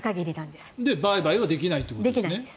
で、売買はできないってことですね。